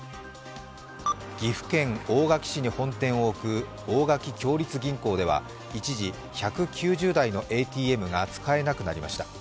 岐阜県大垣市に本店を置く大垣共立銀行では一時１９０台のＡＴＭが使えなくなりました。